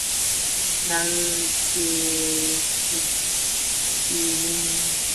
날개 돋친 듯이 팔리다